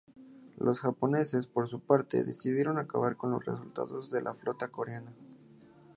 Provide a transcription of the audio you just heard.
Los japoneses, por su parte, decidieron acabar con los restos de la flota coreana.